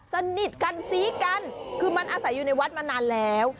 สนิทกันซี้กันคือมันอาศัยอยู่ในวัดมานานแล้ว